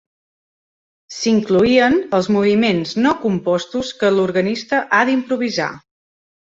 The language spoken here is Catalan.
S'incloïen els moviments no compostos que l'organista ha d'improvisar.